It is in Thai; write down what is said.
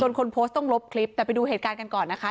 คนโพสต์ต้องลบคลิปแต่ไปดูเหตุการณ์กันก่อนนะคะ